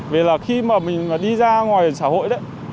vì là khi mà mình đi ra ngoài xã hội đấy